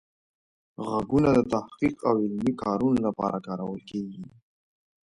غږونه د تحقیق او علمي کارونو لپاره کارول کیږي.